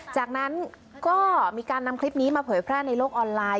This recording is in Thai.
จากนั้นก็มีการนำคลิปนี้มาเผยแพร่ในโลกออนไลน์